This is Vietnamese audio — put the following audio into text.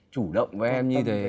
chủ động với em như thế